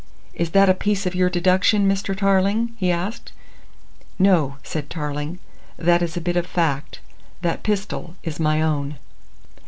"Is that a piece of your deduction, Mr. Tarling?" he asked. "No," said Tarling, "that is a bit of fact. That pistol is my own!"